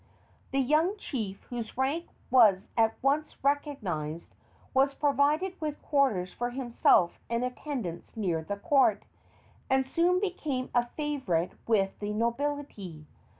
The young chief, whose rank was at once recognized, was provided with quarters for himself and attendants near the court, and soon became a favorite with the nobility.